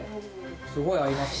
すごい合います。